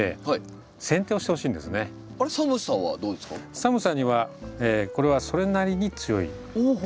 寒さにはこれはそれなりに強いですね。